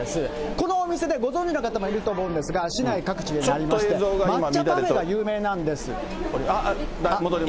このお店でご存じの方もいると思うんですが、市内各地にもありまして、抹茶パフェが有名なんです。